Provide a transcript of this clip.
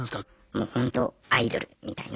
もうほんとアイドルみたいな。